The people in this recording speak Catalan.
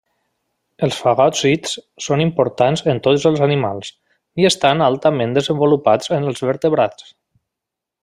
Els fagòcits són importants en tots els animals, i estan altament desenvolupats en els vertebrats.